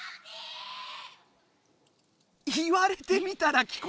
言われてみたら聞こえる気も。